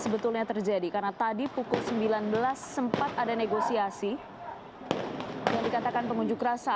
ke arah kerumunan pengunjuk rasa